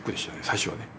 最初はね。